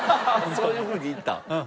そういうふうにいったん？